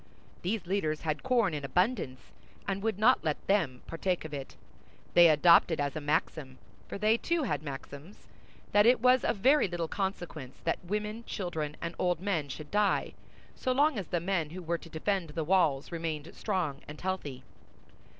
These leaders had corn in abundance, and would not let them partake of it; they adopted as a maxim—for they, too, had maxims—that it was of very little consequence that women, children, and old men should die, so long as the men who were to defend the walls remained strong and healthy.